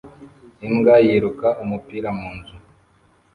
Imbwa yiruka umupira mu nzu